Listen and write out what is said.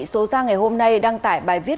số ra ngày hôm nay đăng tải bài viết